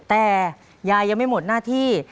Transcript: แต่ยายยังไม่หมดหน้าที่